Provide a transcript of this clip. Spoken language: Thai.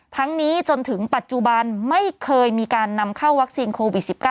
ทั้งนี้จนถึงปัจจุบันไม่เคยมีการนำเข้าวัคซีนโควิด๑๙